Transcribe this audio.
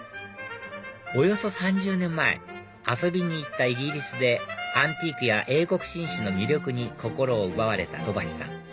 およそ３０年前遊びに行ったイギリスでアンティークや英国紳士の魅力に心を奪われた土橋さん